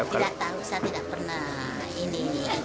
tidak tahu saya tidak pernah ini